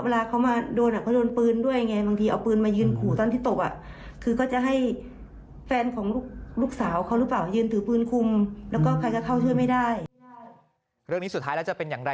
เรื่องนี้สุดท้ายแล้วจะเป็นอย่างไร